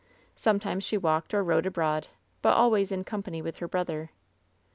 Sometimes she walked or rode abroad, but always in company with her brother.